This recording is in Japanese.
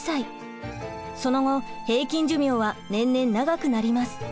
その後平均寿命は年々長くなります。